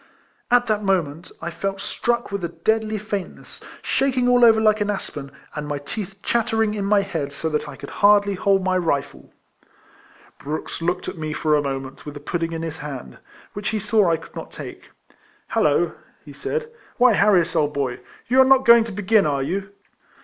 At that moment I felt struck with a deadly faintness, shaking all over like an aspen, and my teeth chattering in my head so that I could hardly hold my rifle. Brooks looked at me for a moment, with the pudding in his hand, which he saw I could not take. "Hallo," he said, "why Harris, old boy, you are not going to begin, are you?"